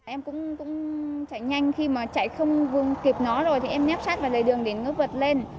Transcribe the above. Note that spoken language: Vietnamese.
em cũng chạy nhanh khi mà chạy không vương kịp nó rồi thì em ép xác vào lề đường để nó vượt lên